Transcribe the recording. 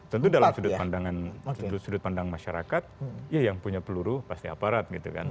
tentu dalam sudut pandang masyarakat ya yang punya peluru pasti aparat gitu kan